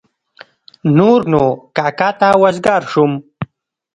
نور نو کاکا ته وزګار شوم.